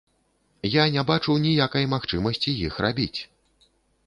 Я не бачу ніякай магчымасці іх рабіць.